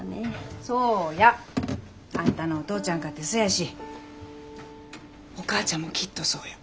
そうや。あんたのお父ちゃんかてそうやしお母ちゃんもきっとそうや。